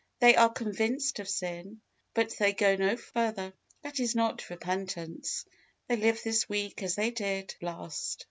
They are convinced of sin, but they go no further. That is not repentance. They live this week as they did last.